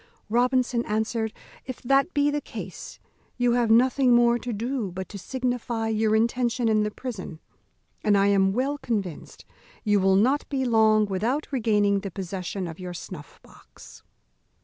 Robinson answered, "If that be the case, you have nothing more to do but to signify your intention in the prison, and I am well convinced you will not be long without regaining the possession of your snuff box."